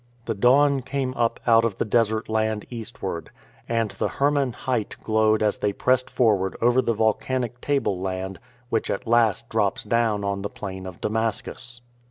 The dawn came up out of the desert land eastward, and the Hermon height glowed as they pressed forward over the volcanic tableland which at last drops down on the plain of Damascus.